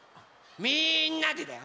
みんなでだよ！